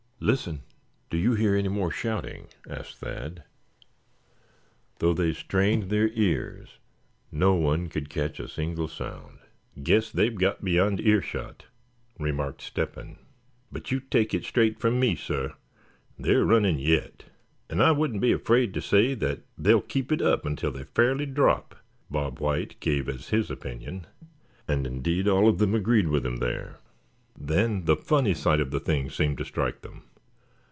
"Listen, do you hear any more shouting?" asked Thad. Though they strained their ears no one could catch a single sound. "Guess they've got beyond earshot," remarked Step hen. "But you take it straight from me, suh, they're running yet; and I wouldn't be afraid to say that they'll keep it up until they fairly drop," Bob White gave as his opinion; and indeed, all of them agreed with him there. Then the funny side of the thing seemed to strike them.